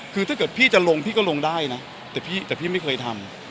คือถ้าเกิดพี่จะลงพี่ก็ลงได้นะแต่พี่ไม่เคยทำ